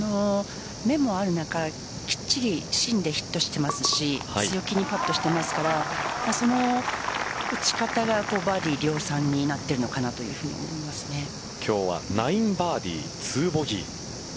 面もある中しっかり芯でヒットしていますし強気にパットしていますからその打ち方がバーディー量産に今日は９バーディー、２ボギー。